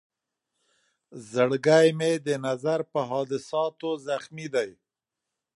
زړګی مې د نظر په حادثاتو زخمي دی.